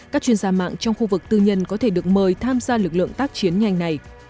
các chuyên gia mạng trong khu vực tư nhân có thể được mời tham gia lực lượng tác chiến nhanh này